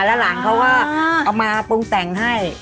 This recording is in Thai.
แล้วหลานเขาก็เอามาปรุงแต่งให้